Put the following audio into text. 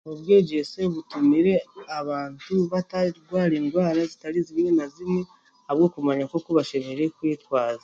Obwegyese butumire abantu batarwara endwara zitari zimwe na zimwe ahabw'okumanya nk'oku bashemereire kwetwaza.